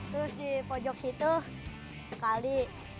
terus di pojok situ sekali